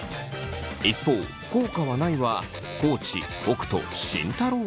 一方「効果はない」は地北斗慎太郎。